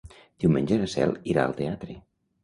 Diumenge na Cel irà al teatre.